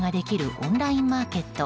オンラインマーケット